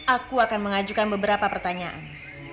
aku akan mengajukan beberapa pertanyaan